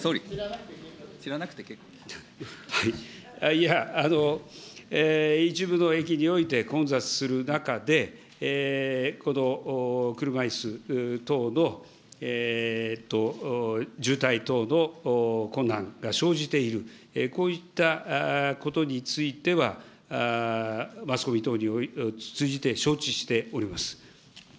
いや、一部の駅において混雑する中で、車いす等の渋滞等の困難が生じている、こういったことについては、マスコミ等を通じて承知しております。